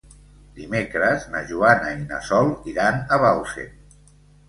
Dimecres na Joana i na Sol iran a Bausen.